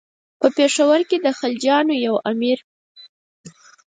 په پېښور کې د خلجیانو یو امیر.